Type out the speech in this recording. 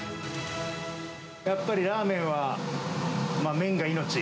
やっぱりラーメンは、麺が命。